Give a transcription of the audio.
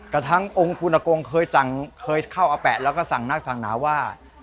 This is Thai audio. กระทั้งองค์พุทธกรงค์เคยเข้าอแปะแล้วก็สั่งนักสั่งหนาว่า